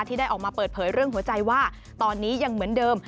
ได้ออกมาเปิดเผยเรื่องหัวใจว่าตอนนี้ยังเหมือนเดิม